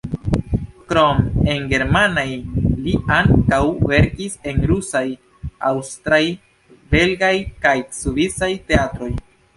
Krom en germanaj li ankaŭ verkis en rusaj, aŭstraj, belgaj kaj svisaj teatroj.